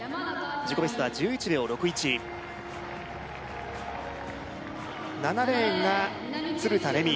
自己ベストは１１秒６１７レーンが鶴田玲美